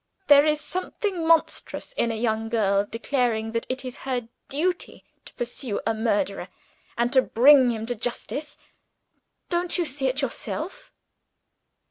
There is something monstrous, in a young girl declaring that it is her duty to pursue a murderer, and to bring him to justice! Don't you see it yourself?"